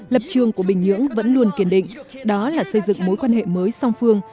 lập trường của bình nhưỡng vẫn luôn kiên định đó là xây dựng mối quan hệ mới song phương